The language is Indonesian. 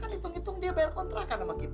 hitung hitung dia bayar kontrakan sama kita